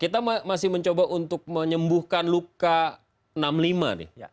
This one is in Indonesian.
kita masih mencoba untuk menyembuhkan luka enam puluh lima nih